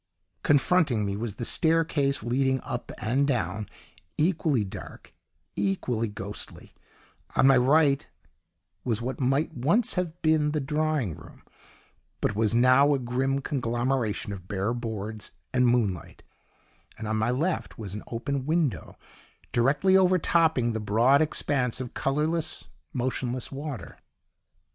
Confronting me was the staircase leading up and down, equally dark, equally ghostly; on my right was what might once have been the drawing room, but was now a grim conglomeration of bare boards and moonlight, and on my left was an open window directly overtopping the broad expanse of colourless, motionless water.